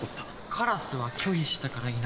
カラスは拒否したからいなくなった。